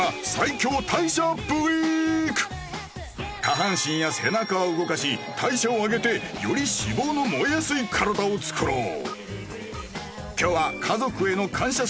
下半身や背中を動かし代謝を上げてより脂肪の燃えやすい体をつくろう！